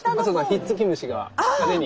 ひっつき虫が派手に。